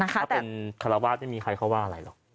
ถ้าเป็นคาราวาสไม่มีใครเขาว่าอะไรหรอก